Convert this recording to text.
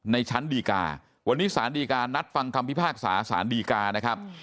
ในชั้นดีกาวันนี้สารดีการนัดฟังคำพิพากษาสารดีกานะครับ